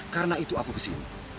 karena itu aku ke sini